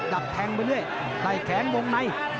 ดับแทงไปด้วยใดแขนวงใน